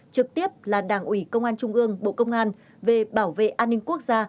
trực tiếp là đảng ủy công an trung ương bộ công an về bảo vệ an ninh quốc gia